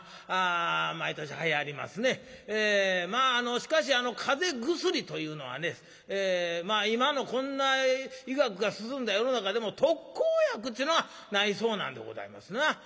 しかしあの風邪薬というのはね今のこんな医学が進んだ世の中でも特効薬っちゅうのがないそうなんでございますな。